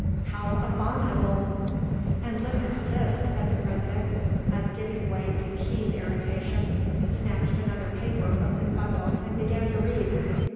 "How abominable!" "And listen to this," said the President, as giving way to keen irritation he snatched another paper from his bundle and began to read.